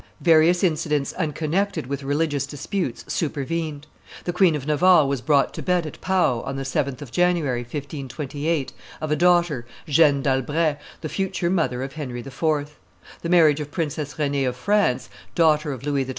Various incidents unconnected with religious disputes supervened. The Queen of Navarre was brought to bed at Pau, on the 7th of January, 1528, of a daughter, Jeanne d'Albret, the future mother of Henry IV. The marriage of Princess Renee of France, daughter of Louis XII.